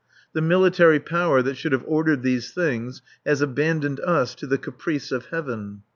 The Military Power that should have ordered these things has abandoned us to the caprice of Heaven.